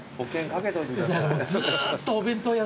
ずっとお弁当屋